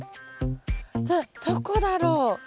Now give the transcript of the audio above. どこだろう？